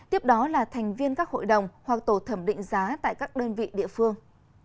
tiếp đó là thành viên các hội đồng hoặc tổ thẩm định giá tại các đơn vị địa phương